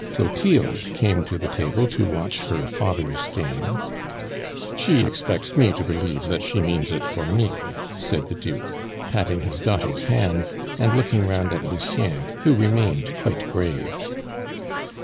Clotilde came to the table to watch her father's game. "She expects me to believe that she means it for me," said the Duke, patting his daughter's hands, and looking round at Lucien, who remained quite grave.